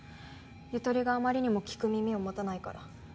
ゆとりがあまりにも聞く耳を持たないから。